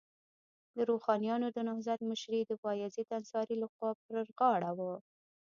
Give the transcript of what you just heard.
د روښانیانو د نهضت مشري د بایزید انصاري لخوا پر غاړه وه.